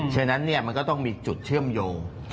ฉะนั้นมันก็ต้องมีจุดเชื่อมโยง